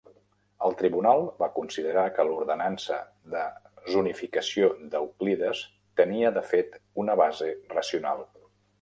El Tribunal va considerar que l'ordenança de zonificació d'Euclides tenia de fet una base racional.